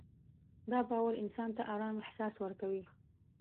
دا باور انسان ته ارام احساس ورکوي.